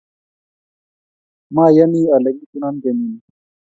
mayanii kole kitunon kenyi ni